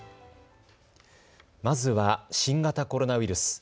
まずは新型コロナウイルス。